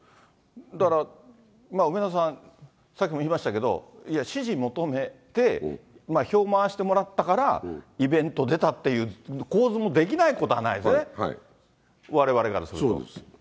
だから、梅沢さん、さっきも言いましたけど、いや、支持求めて、票回してもらったから、イベント出たっていう構図もできないことはないですよね、われわれからすると。